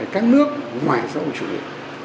các nước ngoài giáo hội chủ yếu